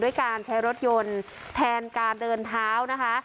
การใช้รถยนต์แทนการเดินเท้านะคะ